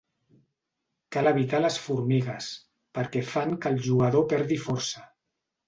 Cal evitar les formigues, perquè fan que el jugador perdi força.